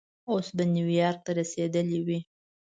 اوس به نیویارک ته رسېدلی وې.